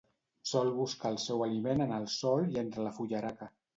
Sol buscar el seu aliment en el sòl i entre la fullaraca.